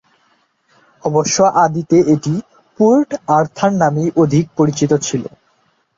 অবশ্য আদিতে এটি "পোর্ট আর্থার" নামেই অধিক পরিচিত ছিল।